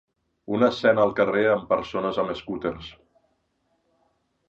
Una escena al carrer amb persones amb escúters.